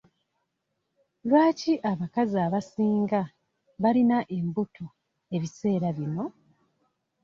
Lwaki abakazi abasinga balina embuto ebiseera bino?